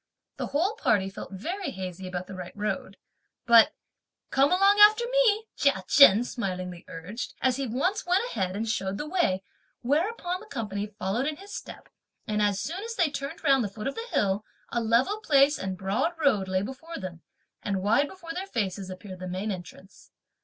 The whole party felt very hazy about the right road. But "Come along after me," Chia Chen smilingly urged, as he at once went ahead and showed the way, whereupon the company followed in his steps, and as soon as they turned round the foot of the hill, a level place and broad road lay before them; and wide before their faces appeared the main entrance.